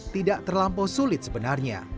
tidak terlampau sulit sebenarnya